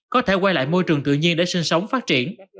có thể quay lại môi trường tự nhiên để sinh sống phát triển